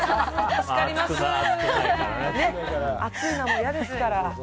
暑いの嫌ですから。